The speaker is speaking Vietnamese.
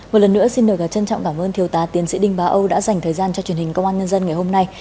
một lần nữa xin được trân trọng cảm ơn thiều tá tiến sĩ đinh bá âu đã dành thời gian cho truyền hình công an nhân dân ngày hôm nay